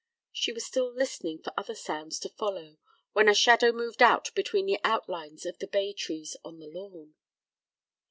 She was still listening for other sounds to follow when a shadow moved out between the outlines of the bay trees on the lawn.